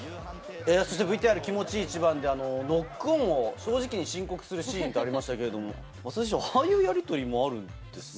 ＶＴＲ、気持ちいいイチバンでノックオンを正直に申告するシーンってありましたけれども、ああいうやり取りが松田選手、あるんですね。